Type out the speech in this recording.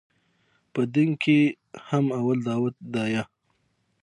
په دين کښې هم اول دعوت ديه.